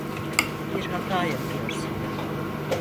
Bir hata yapıyorsun.